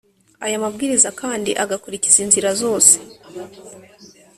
aya mabwiriza kandi agakurikiza inzira zose